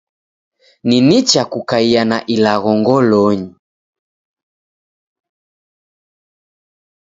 Ni nicha kukaiya na ilagho ngolonyi